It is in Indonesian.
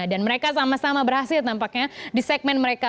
dan mereka sama sama berhasil tampaknya di segmen mereka